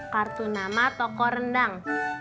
kartu nama toko rendang